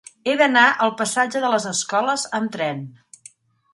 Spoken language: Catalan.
He d'anar al passatge de les Escoles amb tren.